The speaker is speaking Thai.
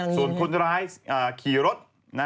ส่วนคนร้ายขี่รถ